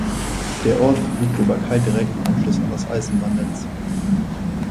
Der Ort verfügt über keinen direkten Anschluss an das Eisenbahnnetz.